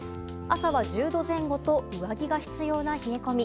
朝は１０度前後と上着が必要な冷え込み。